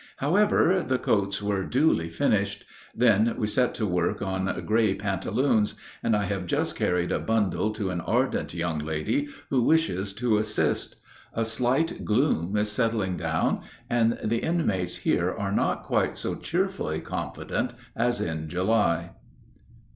However, the coats were duly finished. Then we set to work on gray pantaloons, and I have just carried a bundle to an ardent young lady who wishes to assist. A slight gloom is settling down, and the inmates here are not quite so cheerfully confident as in July.